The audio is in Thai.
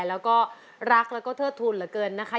แล้วก็รักแล้วก็เทิดทุนเหลือเกินนะคะ